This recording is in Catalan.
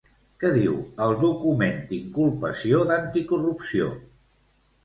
Què diu el document d'inculpació d'Anticorrupció?